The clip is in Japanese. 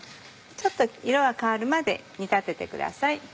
ちょっと色が変わるまで煮立ててください。